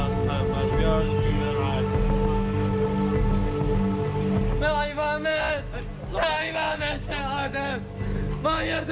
สวัสดีครับ